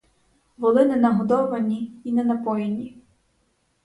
Воли не нагодовані й не напоєні.